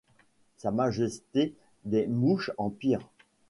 Sa Majesté des Mouches en pire.